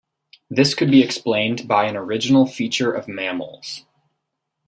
This could be explained by an original feature of mammals.